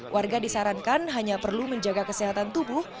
warga disarankan hanya perlu menjaga kesehatan tubuh